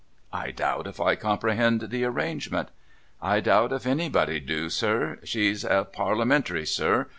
' 1 doubt if I comprehend the arrangement.' ' I doubt if anybody do, sir. She's a Parliamentary, sir.